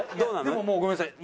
でもごめんなさい。